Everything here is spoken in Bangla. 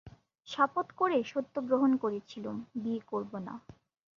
শপথ করে সত্য গ্রহণ করেছিলুম, বিয়ে করব না।